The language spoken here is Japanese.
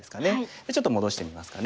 でちょっと戻してみますかね。